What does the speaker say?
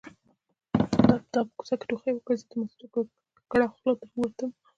تا په کوڅه کې ټوخی وکړ زه د مستو ککړه خوله در ووتمه